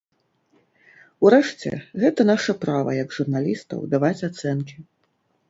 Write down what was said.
Урэшце, гэта наша права як журналістаў даваць ацэнкі.